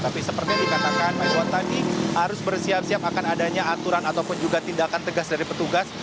tapi seperti yang dikatakan pak iwan tadi harus bersiap siap akan adanya aturan ataupun juga tindakan tegas dari petugas